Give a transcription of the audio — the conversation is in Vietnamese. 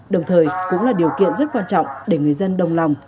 đồng thời cũng là điều kiện rất quan trọng để người dân đồng lòng